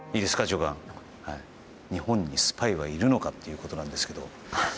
日本にスパイはいるのかということですが。